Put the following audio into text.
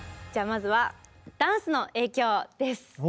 じゃあまずは「ダンスの影響」です。